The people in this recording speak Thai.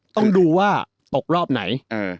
ต้องดูว่าตกรอบไหน